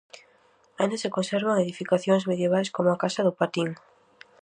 Aínda se conservan edificacións medievais como a Casa do Patín.